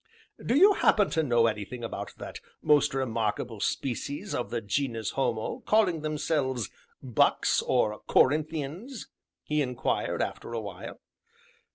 "Do you happen to know anything about that most remarkable species of the 'genus homo' calling themselves 'Bucks,' or 'Corinthians'?" he inquired, after a while.